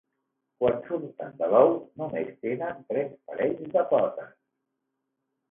Quan surten de l'ou només tenen tres parells de potes.